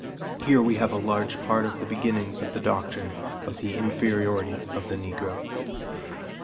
Here we have a large part of the beginnings of the doctrine of the inferiority of the Negro.